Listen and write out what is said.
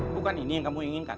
bukan ini yang kamu inginkan